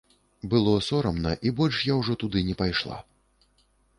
Было сорамна, і больш я ўжо туды не пайшла.